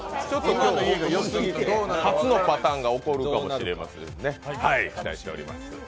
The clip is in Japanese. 今日、初のパターンが起こるかもしれません、期待しています。